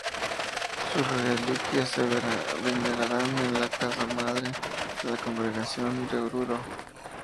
Sus reliquias se veneran en la casa madre de la congregación de Oruro.